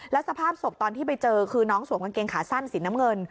สภาพศพตอนที่ไปเจอคือน้องสวมกางเกงขาสั้นสีน้ำเงิน